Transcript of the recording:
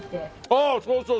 ああそうそう！